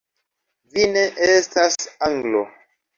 Vi ne estas Anglo!